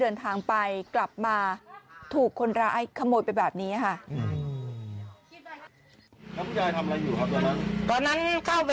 เดินทางไปกลับมาถูกคนร้ายขโมยไปแบบนี้ค่ะตอนนั้นเข้าไป